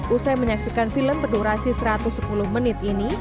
usai menyaksikan film berdurasi satu ratus sepuluh menit ini